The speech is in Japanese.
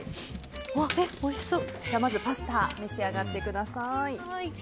パスタ召し上がってください。